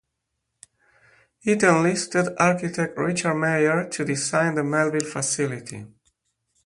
It enlisted architect Richard Meier to design the Melville facility.